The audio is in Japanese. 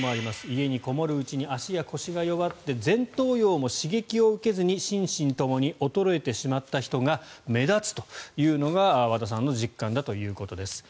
家にこもるうちに足や腰が弱って前頭葉も刺激を受けずに心身ともに衰えてしまった人が目立つというのが、和田さんの実感だということです。